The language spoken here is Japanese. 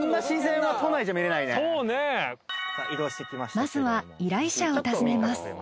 まずは依頼者を訪ねます。